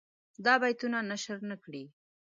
دا بیتونه نشر نه کړي.